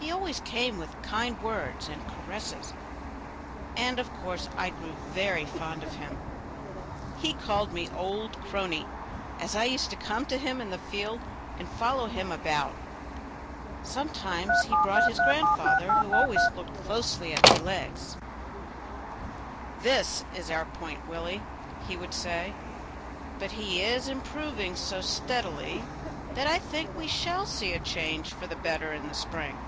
He always came with kind words and caresses, and of course I grew very fond of him. He called me Old Crony, as I used to come to him in the field and follow him about. Sometimes he brought his grandfather, who always looked closely at my legs. "This is our point, Willie," he would say; "but he is improving so steadily that I think we shall see a change for the better in the spring."